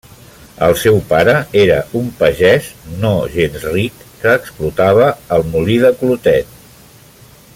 El seu pare era un pagès, no gens ric, que explotava el molí de Clotet.